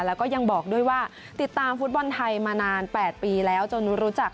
แล้วก็ยังบอกด้วยว่าติดตามฟุตบอลไทยมานาน๘ปีแล้วจนรู้จัก